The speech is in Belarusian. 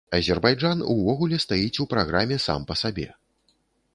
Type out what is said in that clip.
Азербайджан увогуле стаіць у праграме сам па сабе.